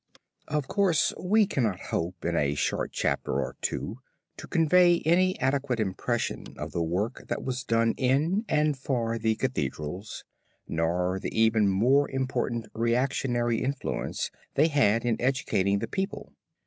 Of course we cannot hope in a short chapter or two to convey any adequate impression of the work that was done in and for the Cathedrals, nor the even more important reactionary influence they had in educating the people.